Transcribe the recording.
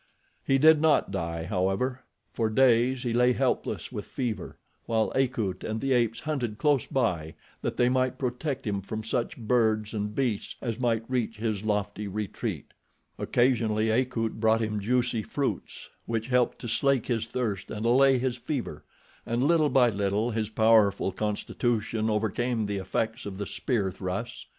He did not die, however. For days he lay helpless with fever, while Akut and the apes hunted close by that they might protect him from such birds and beasts as might reach his lofty retreat. Occasionally Akut brought him juicy fruits which helped to slake his thirst and allay his fever, and little by little his powerful constitution overcame the effects of the spear thrusts.